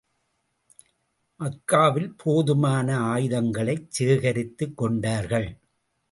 மக்காவில் போதுமான ஆயுதங்களைச் சேகரித்துக் கொண்டார்கள்.